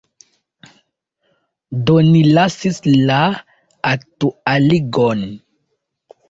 Do ni lasis la aktualigon.